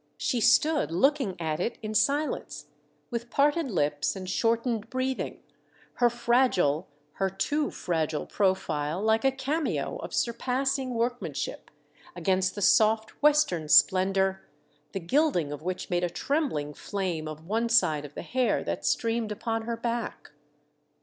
She stood looking at it in silence, with parted lips and shortened breathing, her fragile, her too fragile profile like a cameo of surpassing workmanship, against the soft western splendour, the gild ing of which made a trembling flame of one side of the hair that streamed upon her back.